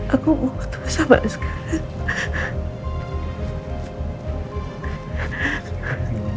aku mau ketemu sahabatnya sekarang